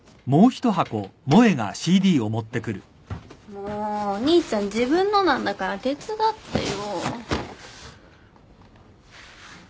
もうお兄ちゃん自分のなんだから手伝ってよ。